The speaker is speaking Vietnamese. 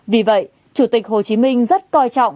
vì vậy chủ tịch hồ chí minh rất coi trọng